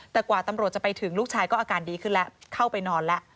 แต่กว่าตำรวจจะไปถึงลูกชายก็อาการดีขึ้นแล้วเข้าไปนอนแล้ว